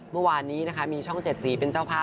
เมื่อวานนี้มีช่องเจ็ดสีเป็นเจ้าพา